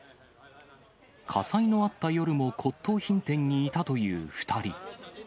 火災のあった夜も骨とう品店にいたという２人。